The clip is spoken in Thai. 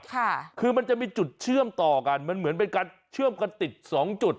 ค่ะคือมันจะมีจุดเชื่อมต่อกันมันเหมือนเป็นการเชื่อมกันติดสองจุด